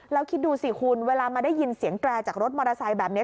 แล้วคิดดูสิคุณเวลามาได้ยินเสียงแกร่จากรถมอเตอร์ไซค์แบบนี้